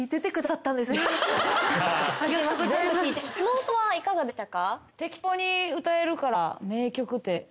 加納さんはいかがでしたか？